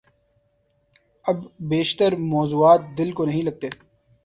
اب بیشتر موضوعات دل کو نہیں لگتے۔